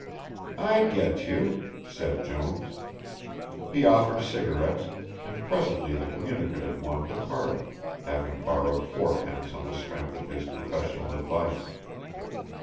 "I get you," said Jones. He offered cigarettes, and presently the communicative one departed, having borrowed fourpence on the strength of his professional advice.